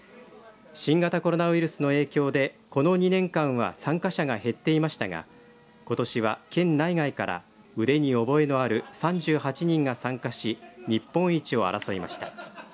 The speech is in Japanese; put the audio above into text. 新型コロナウイルスの影響でこの２年間は参加者が減っていましたがことしは、県内外から腕に覚えのある３８人が参加し日本一を争いました。